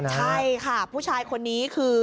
ใช่ค่ะผู้ชายคนนี้คือ